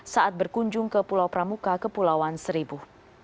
saat berkunjung ke pulau pramuka kepulauan seribu